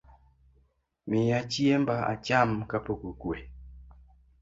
Miya chiemba acham kapok okue.